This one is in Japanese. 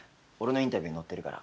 俺のインタビュー載ってるから。